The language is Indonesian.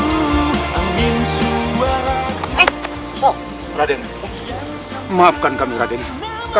gak mekerjakan kalian ya